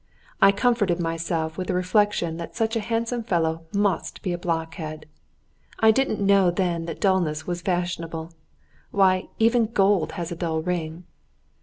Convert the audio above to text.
I comforted myself with the reflection that such a handsome fellow must be a blockhead. I didn't know then that dulness was fashionable. Why, even gold has a dull ring!